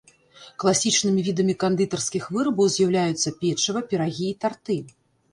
Класічнымі відамі кандытарскіх вырабаў з'яўляюцца печыва, пірагі і тарты.